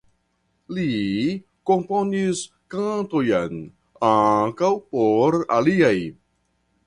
Li komponis kantojn ankaŭ por aliaj.